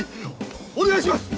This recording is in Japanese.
お願いします！